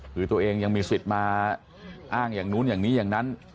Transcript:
คือตัวเองยังมีสิทธิ์มาอ้างอย่างนู้นอย่างนี้อย่างนั้น